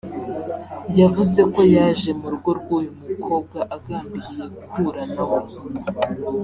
yavuze ko yaje mu rugo rw’uyu mukobwa agambiriye guhura nawe